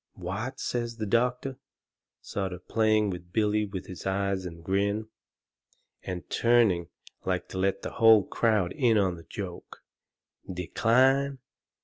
"What," says the doctor, sort of playing with Billy with his eyes and grin, and turning like to let the whole crowd in on the joke, "DECLINE?